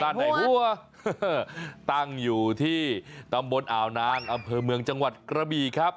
ในหัวตั้งอยู่ที่ตำบลอ่าวนางอำเภอเมืองจังหวัดกระบีครับ